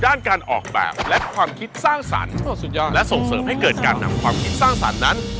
ด้านการออกแบบและความคิดสร้างสรรค์สุดยอดและส่งเสริมให้เกิดการนำความคิดสร้างสรรค์นั้น